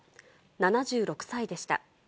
７６歳でした。